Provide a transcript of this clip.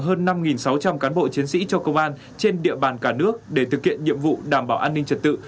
hơn năm sáu trăm linh cán bộ chiến sĩ cho công an trên địa bàn cả nước để thực hiện nhiệm vụ đảm bảo an ninh trật tự